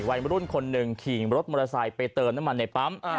วัยรุ่นคนหนึ่งขี่รถมอเตอร์ไซค์ไปเติมน้ำมันในปั๊ม